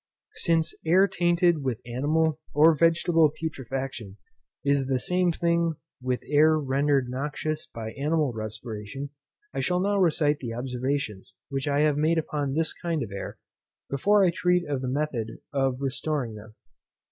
Since air tainted with animal or vegetable putrefaction is the same thing with air rendered noxious by animal respiration, I shall now recite the observations which I have made upon this kind of air, before I treat of the method of restoring them.